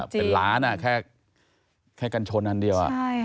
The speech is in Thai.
เป็นล้านแค่กัญชนอันเดียว